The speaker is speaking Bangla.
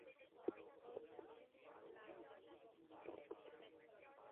তোর সাথেই মনকাডা বংশ নিশ্চিহ্ন হয়ে পড়বে।